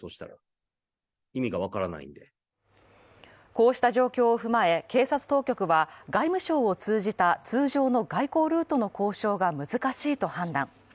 こうした状況を踏まえ、警察当局は外務省を通じた通常の外交ルートの交渉が難しいと判断。